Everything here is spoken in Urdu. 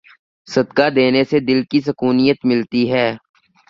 صدقہ دینے سے دل کی سکونیت ملتی ہے۔